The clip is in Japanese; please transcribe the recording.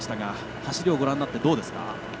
走りをご覧になってどうですか？